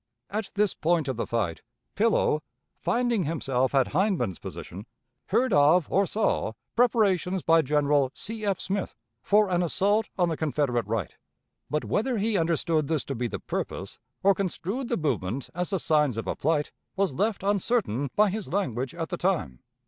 At this point of the fight, Pillow, finding himself at Hindman's position, heard of (or saw) preparations by General C. F. Smith for an assault on the Confederate right; but, whether he understood this to be the purpose or construed the movement as the ... signs of a flight, was left uncertain by his language at the time.